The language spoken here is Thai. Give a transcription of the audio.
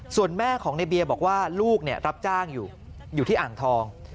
ส่วนแม่ของในเบียร์บอกว่าลูกรับจ้างอยู่อยู่ที่อ่างทอง